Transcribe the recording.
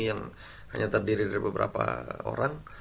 yang hanya terdiri dari beberapa orang